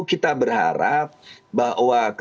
kita berharap bahwa